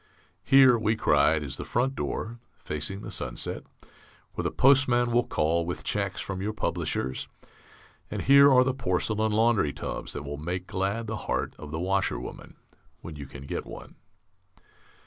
Here, we cried, is the front door (facing the sunset) where the postman will call with checks from your publishers; and here are the porcelain laundry tubs that will make glad the heart of the washerwoman (when you can get one).